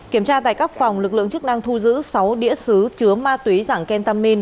kiểm tra tại các phòng lực lượng chức năng thu giữ sáu đĩa xứ chứa ma túy dạng kentamin